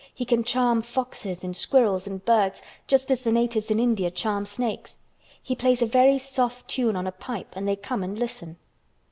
He can charm foxes and squirrels and birds just as the natives in India charm snakes. He plays a very soft tune on a pipe and they come and listen."